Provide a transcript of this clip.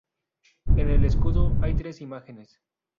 En el escudo hay tres imágenes.